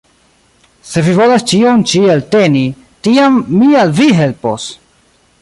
Se vi volas ĉion ĉi elteni, tiam mi al vi helpos!